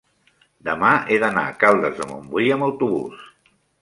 demà he d'anar a Caldes de Montbui amb autobús.